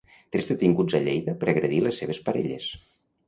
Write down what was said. Tres detinguts a Lleida per agredir les seves parelles.